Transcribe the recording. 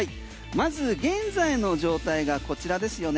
まず現在の状態がこちらですよね